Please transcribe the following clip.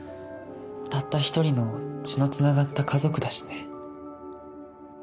たった一人の血のつながった家族だしね。